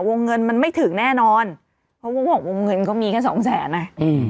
วงเงินมันไม่ถึงแน่นอนเขาก็บอกวงเงินก็มีแค่สองแสนไง